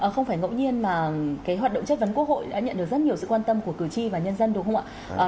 không phải ngẫu nhiên mà cái hoạt động chất vấn quốc hội đã nhận được rất nhiều sự quan tâm của cử tri và nhân dân đúng không ạ